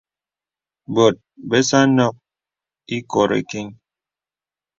Bòt bəsà à nók īkori kiŋ.